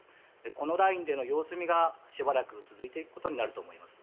このラインでの様子見がしばらく続いていくことになると思います。